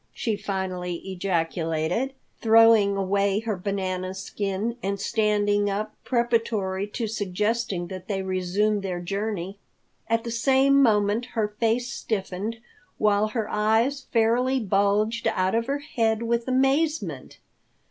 she finally ejaculated, throwing away her banana skin and standing up preparatory to suggesting that they resume their journey. At the same moment her face stiffened, while her eyes fairly bulged out of her head with amazement.